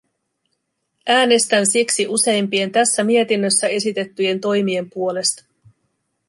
Äänestän siksi useimpien tässä mietinnössä esitettyjen toimien puolesta.